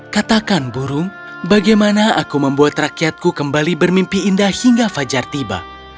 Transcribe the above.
katakan burung bagaimana aku membuat rakyatku kembali bermimpi indah hingga fajar tiba